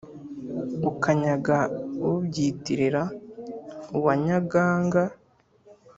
ukanyaga ubyitirira uwanyagaga